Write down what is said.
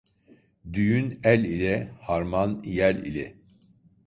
Düğün el ile, harman yel ile.